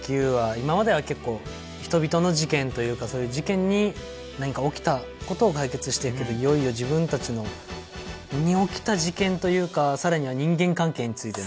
今までは結構人々の事件というかそういう事件に何か起きた事を解決してるけどいよいよ自分たちに起きた事件というかさらには人間関係についての。